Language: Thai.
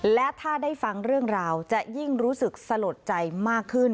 และถ้าได้ฟังเรื่องราวจะยิ่งรู้สึกสลดใจมากขึ้น